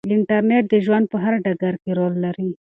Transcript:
انټرنیټ د ژوند په هر ډګر کې رول لري.